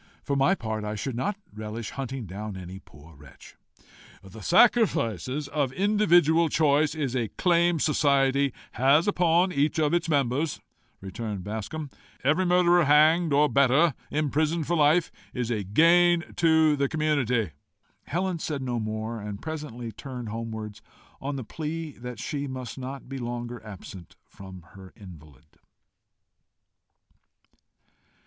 For my part, I should not relish hunting down any poor wretch." "The sacrifice of individual choice is a claim society has upon each of its members," returned Bascombe. "Every murderer hanged, or better, imprisoned for life, is a gain to the community." Helen said no more, and presently turned homewards, on the plea that she must not be longer absent from her invalid.